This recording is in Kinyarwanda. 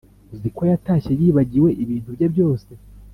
Uziko yatashye yibagiwe ibintu bye byose